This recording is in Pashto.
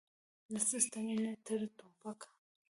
له ستنې تر ټوپکه.